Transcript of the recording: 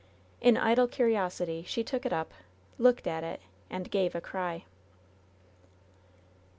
In idle curiosity she took it up, looked at it, and gave a cry.